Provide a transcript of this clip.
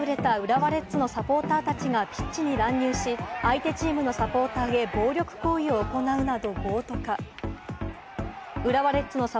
試合に敗れた浦和レッズのサポーターたちがピッチに乱入し、相手チームのサポーターへ暴力行為を行うなど暴徒化。